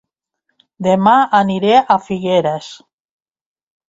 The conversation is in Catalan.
Dema aniré a Figueres